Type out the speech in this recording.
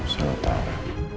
saya gak tahu